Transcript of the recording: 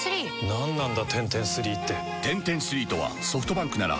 何なんだ